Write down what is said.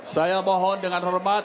saya mohon dengan hormat